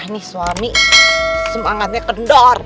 nanti mon ya